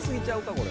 これ。